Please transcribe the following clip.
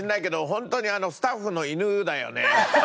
ホントにスタッフの犬だよね。